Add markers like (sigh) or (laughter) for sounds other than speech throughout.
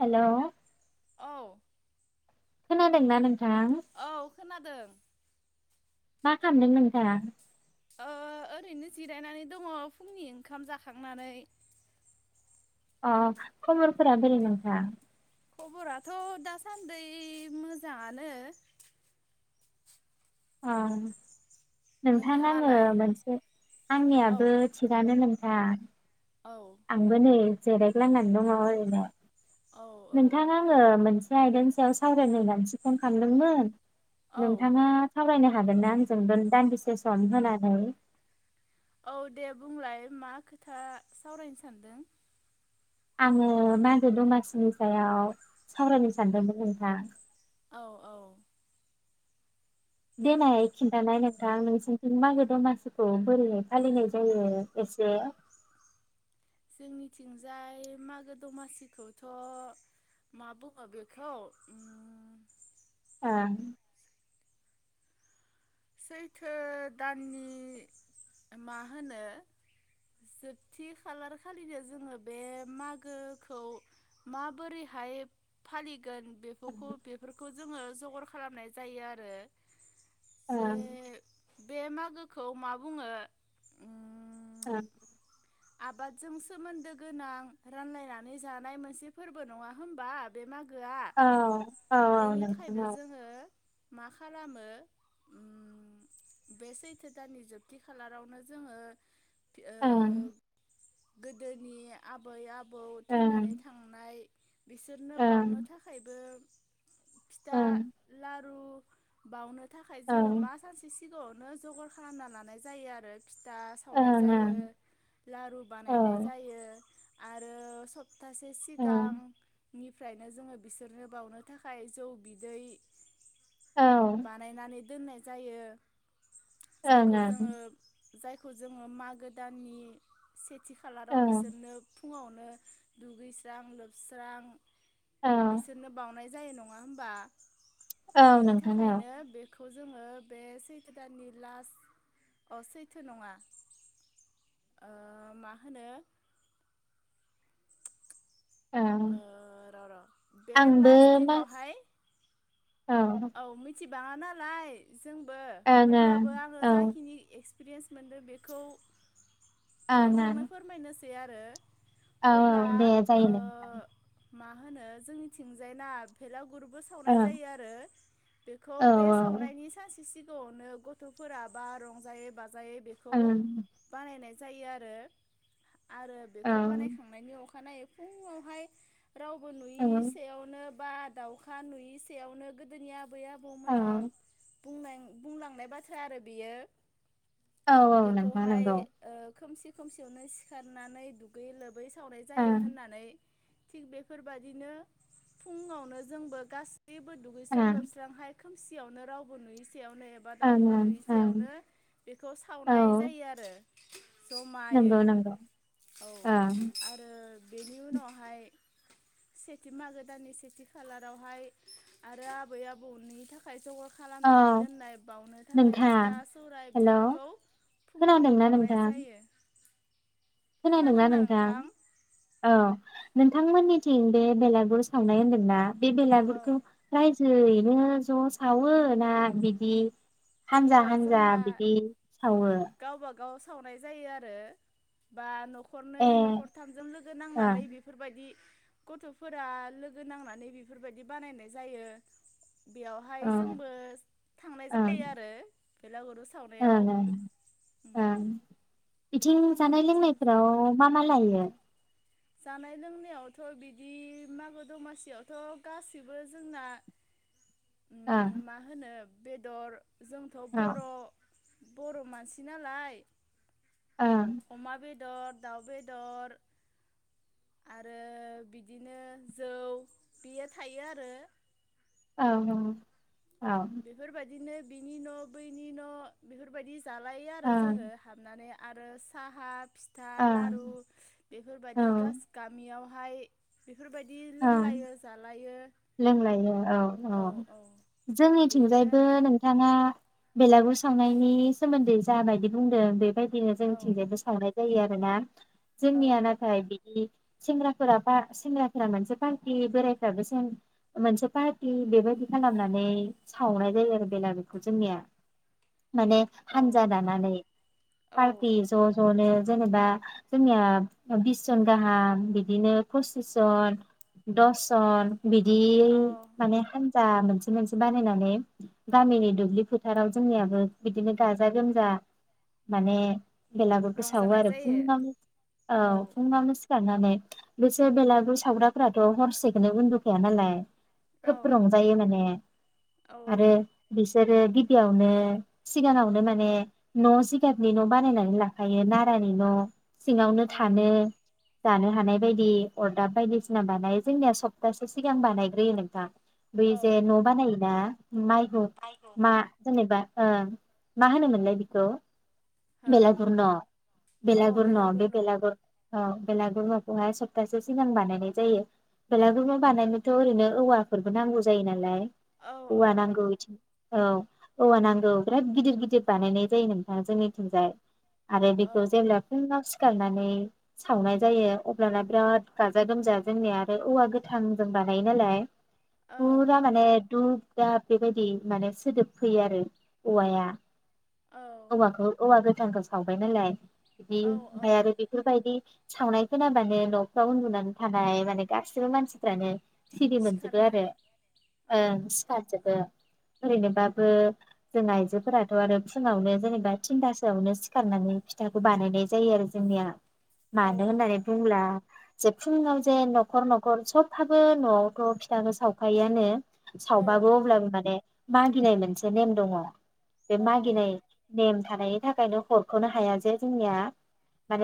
Hello औ। खोनादोंना नों औ खोनादों। मा खालामदों नोंथाङा? ओ ओरैनो जिरायनानै दङ फुंनि ओंखाम जाखांनानै। अ खबरफोरा बोरै नोंथां? खबराथ दासान्दै मोजाङानो। ओ। नोंथां आङो नोंथाङालाय मोनसे औ आंनियाबो थिगानो नों (unintelligible) औ आंबो नै जिरायग्लांनानै दङ ओरैनो औ औ नोंथां आङो मोनसे आयदानि सायाव सावरायनो होननानैसो फन खालामदोंमोन औ नोंथाङा सावरायनो हा हागोनना आंजों दोन दान्दिसे सम होनानै? औ दे बुंलाय मा खोथा सावरायनो सानदों। आङो मागो दमासिनि सायाव सावरायनो सानदोंमोन नोंथां। औ औ। देनाय खिन्थानाय नोंथां नोंसिनिथिं मागो दमासिखौ बोरैयै फालिनाय जायो एसे। जोंनिथिंजाय मागो दमासिखौथ मा बुङो बेखौ ओं। सैथो दाननि मा होनो जोबथि खालार खालिनो जोङो बे मागोखौ माबोरैहाय फालि गोन बेखौख बेफोरखौ जोङो जगर खालामनाय जायो आरो। ओ। गोखौ मा बुङो ओ। आबादजों सोमोन्दो गोनां रानलायनानै जानाय मोनसे फोरबो नङा होमबा बे मागो औ औ औ नंथारगौ। जोङो मा खालामो बे सैथो दाननि जोबथि खालारावनो जोङो उम। ओ गोदोनि आबै आब बौ ओं थैनानै थांनाय बिसोरनो ओं बावनो थाखायबो फिथा, ओं लारु बावनो थाखाय ओं जोङो मा सानसे सि सिगाङावनो जगर खालामना लानाय जायो आरो। फिथा सावनाय जायो। ओं लारु बानायनाय औ जायो आरो सब तासे सिगां ओं निफ्रायनो जोङो बिसोरनो बावनो थाखाय जौ बिदै औ ओं बानायनानै दोननाय जायो। जायखौ जोङो जायखौ जोङो मागो दाननि (inaudible) सेथि खालाराव ओं बिसोरनो (inaudible) फुङावनो दुगैस्रां लोबस्रां औ बिसोरनो बावनाय (inaudible) जायो नङा होमबा? औ बेनि नोंथां औ थाखायनो बेखौ खौ जोङो बे सैथो दाननि लास अ सैथो नङा ओ मा होनो? औ। ओ र' र' बे आंबो लास्ट मास दिनावहाय औ ओं औ मि (inaudible) थि बाङा नालाय जोंबो ओं अब्लाबो आङो औ ओं जाखिनि एस प्रियेस मोनदो बेखौ नोंथांनो ओं औ फोरमायनोस सै आरो औ अब्ला ओं दे ओ जायो दे मा होनो जोंनि थिंजायना भेलाव गुरबो सावनाय ओं जायो आरो बेखौ औ बे सावनायनि सानस सिगाङावनो गथफोरा बा रंजायो बाज जायो बेखौ ओं बानायनायज जायो आरो आरो बेखौ बानायखांनायनि अखा अखानायै फुंआवहाय रावबो औ नि सयावनो बा दाउखा नुयि सयावनो गोदोनि आब आबै औ आबौमोना बुंनायं बुंलांनाय बाथ्रा आरो बेयो औ औ नोंथां बेखौहाय नंगौ। ओ खोमसि खोमसियावनो सिखारनानै दुगै लोबै सावनाय जायो ओं होननानै थिख बेफोरबाद दिनो फुङावनो जोंबो गास इबो दुगैस्रां ओं लोबस्रां हाय खोमसियावनो रावबो नुयि सि सायावनो एबा ओं दाउखा ओं नुयै ओं सायावनो बेखौ औ सावनाय जायो आरो जमायै नंगौ नंगौ औ ओं आरो बेनि उनावहाय सेथि मागो दाननि सेथि खालारावहाय आरो आबै आबौनि थाखाय जगार औ खालामनानै दोननाय बावनो थाखाय फिथा नोंथां सौराइ हेलौ बेफोरखौ फुङावनो खोनादोंना बावनाय नोंथां जायो। खोनादोंना नोंथां औ नोंथांमोननिथिं बे बेलागुर सावनाय होन्दोंना बे औ बेलागुखौ राइजो नै नो ज सावो ना बिदि ओहो हानजा हानजा जोंना बिदि सावो गावबा गाव सावनाय जायो आरो बा नख ए नखरनै नखरथामजों लोगो ओं नांनानै बेफोरबायदि गथफोरा लोगो नांनानै बेफोरबायदि बानायनाय जायो बेयावहाय ओं जोंबो थांनाय जा ओं या (unintelligible) आरो बेलागुरू (unintelligible) ओं बिथिं जानाय नोंथांमोननिथिं लोंनायफ्राव मा मा ला (unintelligible) जानाय लोंनायावथ बिदि मागो दमासियावथ गासिबो जोंना ओं उम मा होनो बेदर जोंथ बर ओं बर मानसि नालाय ओं अमा बेद र, दाउ बेदर आरो बिदिनो जौ बियो थायो आरो औ औ बेफोर बायदि बिदिनो बिनि न बैनि न बेफोर बायदि बा जालायो आरो ओं जोङो हाबनानै आरो साहा फिथा लारु औ बेफोरबादि गास-गामियाव हाय बेफोर फोरबायदि ओं लोंलायो जालायो लोंलायो औ औ बेनो थिंजायबो आरो नोंथाङा बेलागुर सावनायनि सोमोन्दै जाबायदि बुंदों बेबायदि (unintelligible) जोंथिंजायबो सावनाय जायो आरो ना औ जोंनिया नाथाय बिदि सेंग्राफोरा बा सेंग्रा फोरा मोनसे पारटि बोरायफ्राबो जेन मोनसे पारटि बेबायाददि खालामनानै सावनाय जायो आरो बेलागुरखौ जोंनिया। माने औ हानजा दानानै पारटि औ ज जनो जेनेबा जोंनिया ओ बिस जन गाहाम बिदिनो पसिस जन दस जन बिदि औ माने खान जा मोनसे मोनसे बानायनानै गामिनि दुब्लि फोथाराव जोंनियाबो बिदिनो गाजा गोमजा माने बेलागुरखौ सावो रंजानाय आरो फुं जायो आवनो औ फुं आवनो नानै बिसोर बेलागु बे सावग्राफोरा दं हरसेखौनो उन्दुखाया नालाय औ खोब रंजायो माने औ आरो बिस जेरै गिबियावनो सिगाङावनो माने न जिगाबनि न बानायनानै लाखायो नारानि न सिङावनो औ थानो जानो हानाय बायदि अरद दाबायदिसिना बानायो जोंनिया सप्तासे सिगां बानायग्रोयोमोना। बै औ जे न बानायोना माइखौ मा जेनेबा ओं मा होनोमोनलाय बिखौ? हो बेलागुर न औ बेलागर न बेलागुर बे औ बेलागुर ओ बेलागुर नखौ हाय स्पतासे (unintelligible) सिगां बानायनाय जायो बेलागुर न बानायनोथ ओरैनो औवाफोरबो नांगौ जायो नालाय औ औवा नांगौ इथिं। औ औवा नांगौ बिराद गिदिर गिदिर बानायनाय जायो नोंथाङा जोंनिथिंजाय। आरो औ बेखौ जेब्ला फुंआव सिक सिखारनानै सावनाय जायो अब्लाना बिराद गाजा-गोमजा जोंनिया आरो औवा गोथांजों बानायो नालाय औ फुरा माने दुब दाब बेबायदि माने सोदोब फैयो आरो औवाया। औ औवाखौ औवा गो थांखौ सावबाय नालाय बिदि औ औ ओमफाय आरो बेफोरबायदि सावनाय खोनाबानो नआव उन्दुनानै थानाय माने गासिबो मानसिफ्रानो सिरि मोनजोबो आरो सिखारनानै औ ओं सिखारजोबो। ओरैनोबाबो जों आइजोफोराथ आरो फुङावनो जेनेबा थिनथासोआवनो सिखारनानै फिथाखौ बानायनाय जायो आरो जोंनिया। औ मानो होननानै बुंला जे फुङाव जे नखर-नखर सबहाबो नआवथ फिथाखौ सावखायोआनो। औ सावबाबो अब्लाबो माने मागिनाय मोनसे नेम दङ। बे औ मागिनाय नेम थानायनि थाखायनो हरखनो हाया जे जोंनिया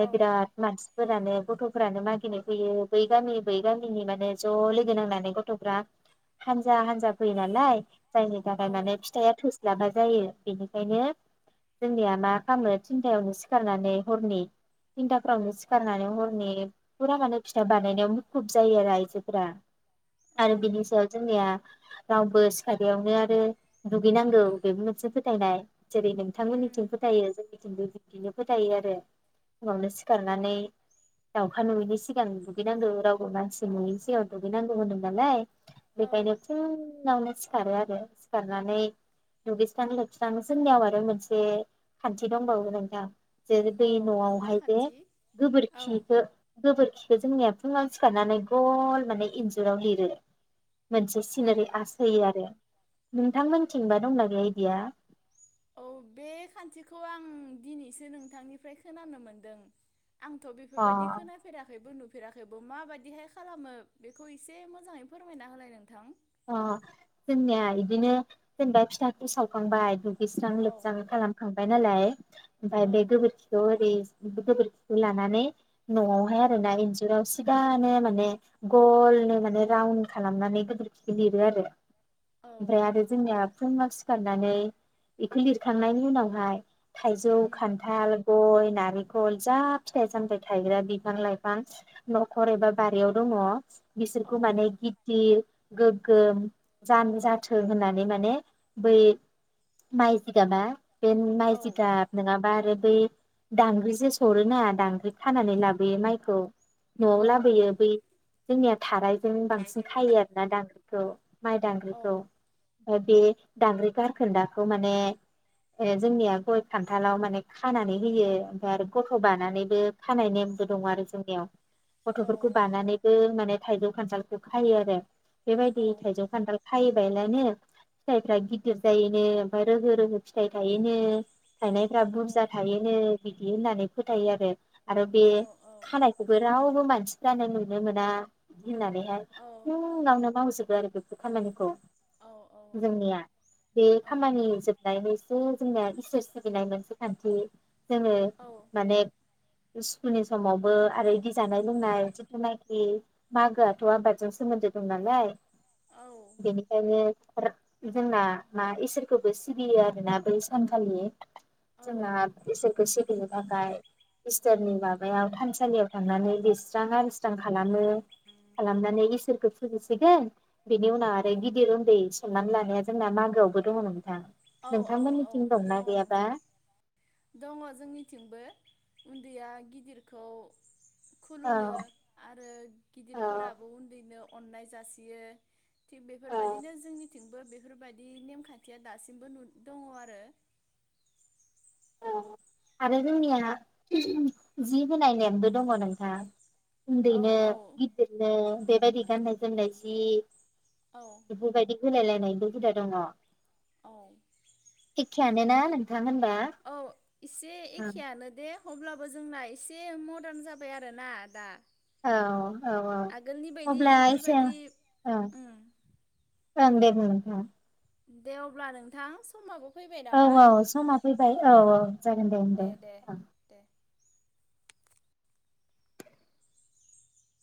औ बिरात मानसि फोरानो गथफोरानो मा गिनाय फैयो बै गामि बै गामिनि माने ज लोगो नांनानै गथफ्रा हानजा हानजा फैयो नालाय जायनि औ थाखाय माने फिथाया थो (unintelligible) जायो बेनिखायनो जोंनिया मा खामो थिनथायावनो सिखारनानै हरनि थिनथाफोरावनो सिखारनानै हरनि फुरा मानो फिथाइ बानायनायाव मुखुब जायो आरो आइजोफोरा। औ आरो बिनि सायाव जोंनिया रावबो सिखारियावनो आरो दुगैनांगौ बेबो मोनसे फोथायनाय जेरै नोंथांमोननिथिं उम फोथायो जोंनिथिंबो बि बिदिनो फोथायो आरो फुङावनो सिखारनानै द दावखा नुयिनि सिगां दुगैनांगौ रावबो मानसि नुयनि सिगां दुगैनांगौ होनो नालाय औ बेखायनो फुङावनो सि सिखारो आरो सिखारनानै दुगैस्रां-लोबस्रां जोंनियाव आरो मोनसे खान्थि दंबावो नोंथां जेरै दै औ मा नआवहाय जे खान्थि औ गोबोरखिखो खोरखिखो जोंनिया फुङाव सिखारनानै गल माने इन्जुराव लिरो मोनसे औ सिनारि आस होयो आरो नोंथांमोनथिंबा दंना गैया इदिया औ बे खान्थिखौ आं दिनैसो नोंथांनिफ्राय खोनानो मोनदों आंथ बेफोरबायदि अ खोनाफेराखैबो नु फेराखैबो माबायदिहाय खालामो बेखौ इसे मोजाङै फोरमायना होलाय नोंथां अ जोंनिया इदिनो जेनबा फिथाखौ सावखांबाय औ दुगैस्रां-लोबस्रां खालामखां बायनालाय ओमफाय औ बे गोबोरखिखौ ओरै गोबोरखिखौ लानानै नआवहाय उम आरो ना इन्जुराव स सिगानो माने गलनो माने राउन खालामनानै गोबोरखि लिरो आरो औ ओमफ्राय आरो जोंनिया फुङाव सि सिखारनानै इखो लिरखांनायनि उनावहाय थाइजौ उम खान्थाल गय नारेंखल जा फिथाइ सामथाय थायग्रा बिफां लाइफां नखर एबा बारियाव दङ औ बिसोरखौ माने गिदिर गोग्गोम जानो जाथों होननानै माने बै माइ जिगाबा बे माइ जिगाब नोङाबा आरो बे दांग्रिजों सरोना दांग्रि खानानै लाबोयो माइखौ। नआव लाबोयो बै जोंनिया थाराय जों बांसिन खायो आरो थ माइ दांग्रिखौ ओ बे दांग्रि गारखोन्दाखौ माने ओ जोंनिया गय खान्थालाव माने खानानै होयो ओमफाय आरो गथ बानानैबो खानाय नेमबो दङ आरो जोंनियाव। गथफोरखौ बानानैबो माने थाइजौ खान्थालखौ खायो आरो बेबायदि थाइजों खान्थाल खायोबायलानो फिथाइफ्रा गिदिर जायोनो ओमफाय रोहो-रोहो फिथाइ थायोनो थायनायफ्रा बुरजा थायोनो बिदि बिदि होननानै फोथायो आरो-आरो बे खानायखौबो रावबो मानसिफ्रानो नुनो मोना होननानै हाय गावनो मावजोबो आरो बेफोर खामानिखौ जोंनिया बे खामानि जोबनायनि बे जोंनिया इसोर सिबिनाय मोनसे खान्थि जोङो औ माने इस्कुलनि समावबो आरो एदि जानाय लोंनाय जिथुनाखि मागोआथ आबादजों सोमोन्दो दं नालाय बेनिखायनो जोंना मा इसोरखौबो सिबियो आरोना बै सानखालि जोंना इसोरखौ सिबिनो थाखाय इस्टोरनि माबायाव थानसालियाव थांनानै लिरस्रां आरो मोजां खालामो खालामनानै इसोरखौ होसिगोन बिनि उनाव आरो गिदिर उन्दै समनानै लानाया जोंना मागोआवबो दङ नोंथां औ औ औ नोंथांमोननिथिं दंना दङ गैयाबा नोंथां दङ जोंनिथिंबो उन्दैया गिदिरखौ औ खुलुमो आरो औ गिदिरफोराबो उन्दैनो अननाय जासियो थिग औ बेफोरबायदिनो जोंनिथिंबो बेफोरबायदि नेमखान्थिया दासिम बो नुद दङआरो औ आरो जोंनिया जि होनाय नेमबो दङ नोंथां औ उन्दैनो गिदिरनो बेबायदि गाननाय जोमनाय जि औ बेफोरबायदि होलायलायनायबो हुदा दङ औ एखेयानोना नोंथां होनबा औ एसे औ एखेयानो दे अब्लाबो जोंना एसे मदार्न जाबाय आरोना दा औ औ औ आगोलनि बायदि अब्ला एसे बेफोरबायदि औ उम ओं दे बुं ओम दे अब्ला नोंथां समाबो फैबाय औ नामा औ समा फैबाय औ औ जागोन दे होनबा दे औ दे